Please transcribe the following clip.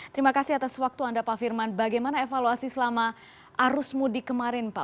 terima kasih atas waktu anda pak firman bagaimana evaluasi selama arus mudik kemarin pak